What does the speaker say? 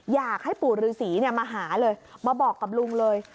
อยากให้ปู่ฤษีมาหาเลยมาบอกกับลุงเลย